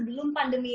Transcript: belum pandemi ini